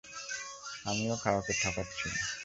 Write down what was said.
আমিও কাউকে ঠকাচ্ছি না।